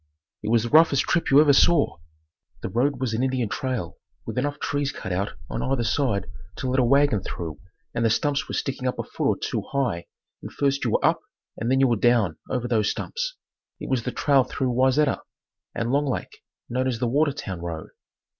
It was the roughest trip you ever saw. The road was an Indian trail with enough trees cut out on either side to let a wagon through and the stumps were sticking up a foot or two high and first you were up and then you were down over those stumps. It was the trail through Wayzata and Long Lake, known as the Watertown road.